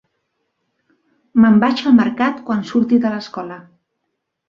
Me'n vaig al mercat quan surti de l'escola.